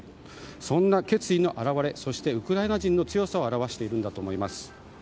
そんな決意の表れそしてウクライナ人の強さを表しているんだと思います。